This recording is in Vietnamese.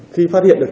khi phát hiện được